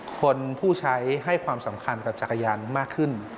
ผู้ใช้ให้ความสำคัญกับจักรยานมากขึ้น